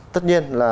tất nhiên là